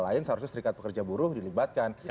lain seharusnya serikat pekerja buruh dilibatkan